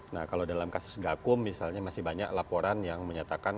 nah kalau dalam kasus gakum misalnya masih banyak laporan yang menyatakan